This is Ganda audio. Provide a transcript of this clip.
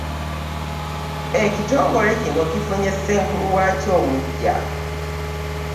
Ekitongole kino kifunye Ssenkulu waakyo omuggya.